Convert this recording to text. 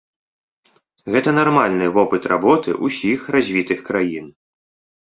Гэта нармальны вопыт работы ўсіх развітых краін.